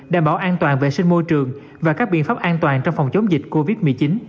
đảm bảo an toàn vệ sinh môi trường và các biện pháp an toàn trong phòng chống dịch covid một mươi chín